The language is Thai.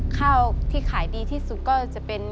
ข้าวที่ขายดีที่สุดก็จะเป็น